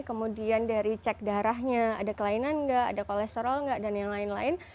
kemudian dari cek darahnya ada kelainan nggak ada kolesterol nggak dan yang lain lain